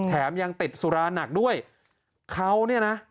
แถมยังติดสุราหนักด้วยเขาเนี่ยนะ